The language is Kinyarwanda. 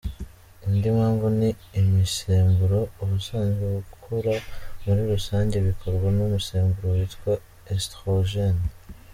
Indi mpamvu ni imisemburo: Ubusanzwe gukura muri rusange bikorwa n’umusemburo witwa eostrogen.